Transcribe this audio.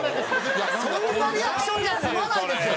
いやそんなリアクションじゃ済まないですよ！